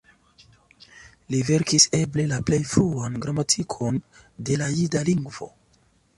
Li verkis eble la plej fruan gramatikon de la jida lingvo.